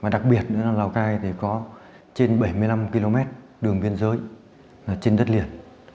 đặc biệt lào cai có trên bảy mươi năm km đường biên giới trên đất liền